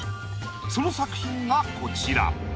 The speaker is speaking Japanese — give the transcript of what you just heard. その作品がこちら。